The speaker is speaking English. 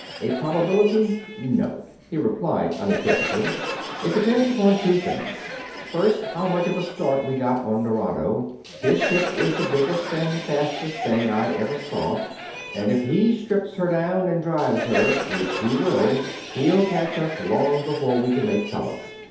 A probability, no," he replied, unequivocally. "It depends upon two things. First, how much of a start we got on Nerado. His ship is the biggest and fastest thing I ever saw, and if he strips her down and drives her which he will he'll catch us long before we can make Tellus.